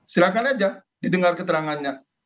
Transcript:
silahkan aja didengar keterangannya